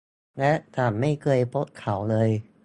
และฉันไม่เคยพบเขาเลย